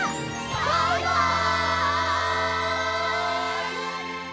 バイバイ！